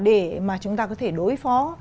để mà chúng ta có thể đối phó